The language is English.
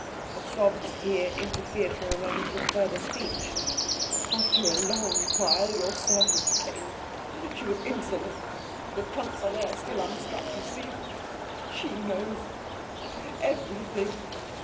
The sobs here interfered for a moment with further speech. "After a long while your servant came she was insolent the trunks are there still unstrapped you see them she knows everything."